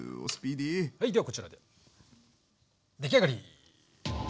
はいではこちらで出来上がり！